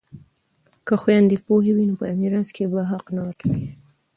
که خویندې پوهې وي نو په میراث کې به حق نه ورکوي.